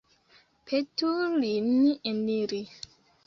Petu lin eniri.